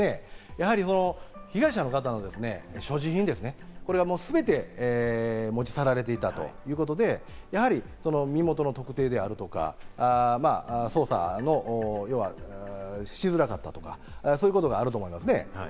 やはり被害者の方の所持品ですね、全て持ち去られていたということで、やはり身元の特定であるとか、捜査がしづらかったとか、そういうことがあると思います。